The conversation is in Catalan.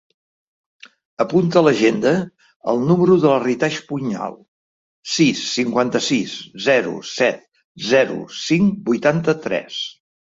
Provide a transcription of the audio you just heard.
Apunta a l'agenda el número de la Ritaj Puñal: sis, cinquanta-sis, zero, set, zero, cinc, vuitanta-tres.